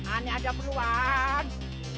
ini ada peluang